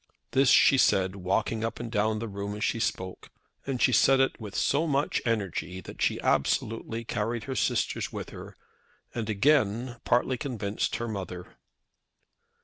This she said walking up and down the room as she spoke, and she said it with so much energy that she absolutely carried her sisters with her and again partly convinced her mother.